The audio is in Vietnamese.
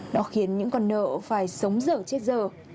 nó khiến những con nợ phải sống dở chết dở